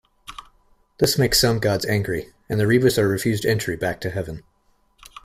This makes some gods angry, and the Ribhus are refused entry back to heaven.